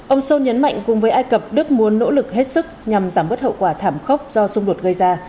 ông sol nhấn mạnh cùng với ai cập đức muốn nỗ lực hết sức nhằm giảm bất hậu quả thảm khốc do xung đột gây ra